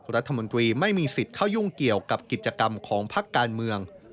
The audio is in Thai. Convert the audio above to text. รัฐมนตรีไม่มีสิทธิ์เข้ายุ่งเกี่ยวกับกิจกรรมของพักการเมือง